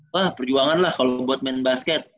wah perjuangan lah kalau buat main basket